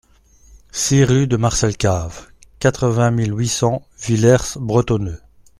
six rue de Marcelcave, quatre-vingt mille huit cents Villers-Bretonneux